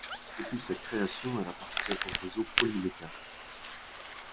Depuis sa création, elle appartient au réseau Polyméca.